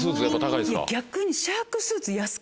逆に。